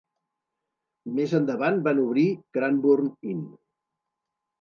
Més endavant van obrir Cranbourne Inn.